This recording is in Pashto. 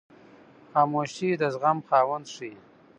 خاموشي، د زغم خاوند ښیي.